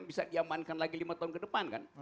bisa diamankan lagi lima tahun ke depan kan